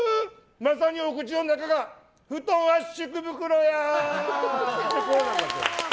まさに口の中が布団圧縮袋や！